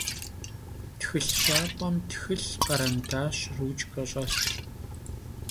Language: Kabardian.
Txılh şap'em txılh, kherendaş, ruçke ş'elhş.